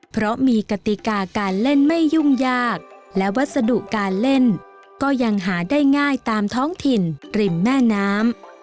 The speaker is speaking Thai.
เพราะมีกติกาการเล่นไม่ยุ่งยากและวัสดุการเล่นก็ยังหาได้ง่ายตามท้องถิ่นริมแม่น้ำ